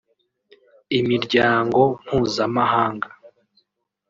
imiryango mpuzamahanga